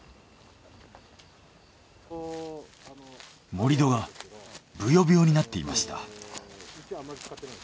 盛り土がぶよぶよになっていました。